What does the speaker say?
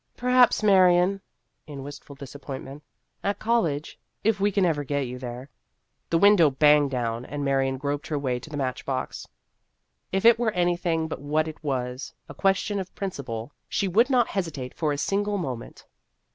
" Perhaps, Marion," in wist ful disappointment, " at college if we can ever get you there The window banged down and Marion groped her way to the match box. If it were anything but what it was a question of principle she would not hesitate for a single moment.